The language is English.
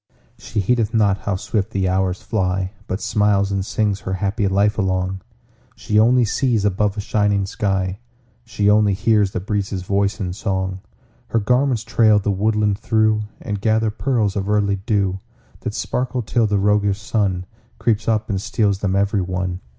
She heedeth not how swift the hours fly, But smiles and sings her happy life along; She only sees above a shining sky; She only hears the breezes' voice in song. Her garments trail the woodland through, And gather pearls of early dew That sparkle till the roguish Sun Creeps up and steals them every one.